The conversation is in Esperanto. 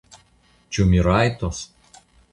Ĉu mi rajtos?